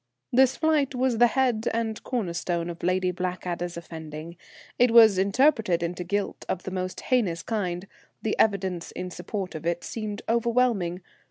This flight was the head and corner stone of Lady Blackadder's offending. It was interpreted into guilt of the most heinous kind; the evidence in support of it seemed overwhelming.